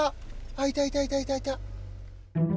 あっいたいたいたいた！